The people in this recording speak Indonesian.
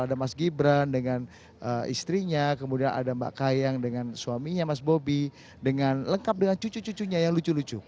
ada mas gibran dengan istrinya kemudian ada mbak kayang dengan suaminya mas bobi dengan lengkap dengan cucu cucunya yang lucu lucu